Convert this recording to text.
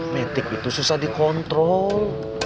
metik itu susah dikontrol